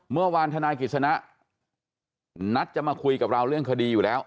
เมื่อวานธนายกิจสนะนัดจะมาคุยกับเราเรื่องคดีอยู่แล้ว